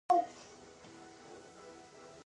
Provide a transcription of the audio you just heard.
ډېری تاریخي کلاګانې د غرونو پر سرونو جوړې شوې دي.